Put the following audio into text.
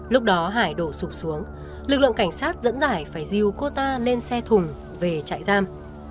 lúc đó hải đổ sụp xuống lực lượng cảnh sát dẫn dải phải riu cô ta lên xe thùng về chạy giam